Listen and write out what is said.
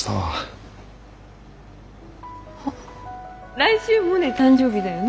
来週モネ誕生日だよね？